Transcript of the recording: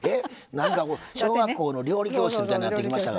なんか小学校の料理教室みたいになってきましたが。